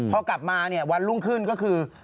พอกลับมาเนี่ยวันรุ่งขึ้นก็คือ